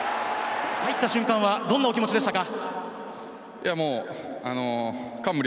入った瞬間はどんなお気持ちでしたか。